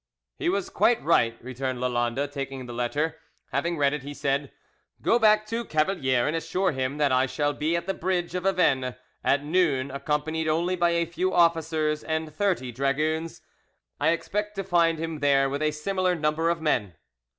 "He was quite right," returned Lalande, taking the letter. Having read it, he said, "Go back to Cavalier and assure him that I shall be at the bridge of Avene at noon, accompanied only by a few officers and thirty dragoons. I expect to find him there with a similar number of men."